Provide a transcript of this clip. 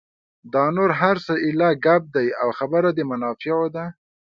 دا نور هر څه ایله ګپ دي او خبره د منافعو ده.